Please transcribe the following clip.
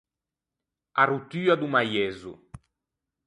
A rottua do maiezzo.